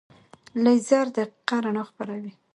لیزر دقیقه رڼا خپروي.